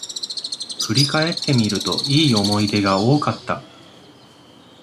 振り返ってみると、良い思い出が多かった